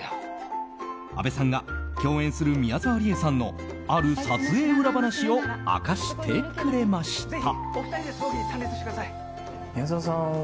阿部さんが共演する宮沢りえさんのある撮影裏話を明かしてくれました。